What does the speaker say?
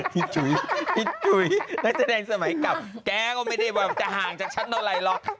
คิดจุยคิดจุยนักแสดงสมัยเก่าก็ไม่ได้บอกว่าจะห่างจากฉันอะไรเล่า